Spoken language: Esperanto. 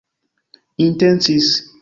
intencis